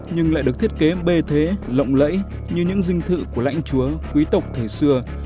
nhưng lại được thiết kế bê thế lộng lẫy như những dinh thự của lãnh chúa quý tộc thời xưa